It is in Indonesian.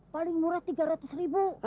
paling murah rp tiga ratus ribu